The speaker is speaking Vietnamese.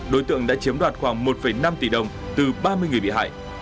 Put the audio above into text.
đối tượng đã chiếm đoạt khoảng một năm tỷ đồng từ ba mươi người bị hại